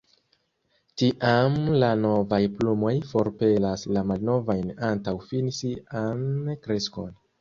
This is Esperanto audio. Tiam la novaj plumoj forpelas la malnovajn antaŭ fini sian kreskon.